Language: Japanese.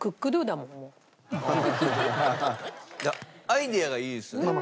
アイデアがいいですよね。